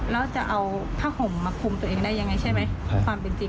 แล้วจะเอาผ้าห่มมาคุมตัวเองได้อย่างไรใช่ไหม